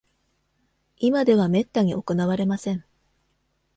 今ではめったに行われません。